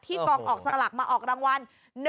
ที่กองออกสลักมาออกดังวัล